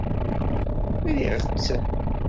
Ṛjiɣ-tt.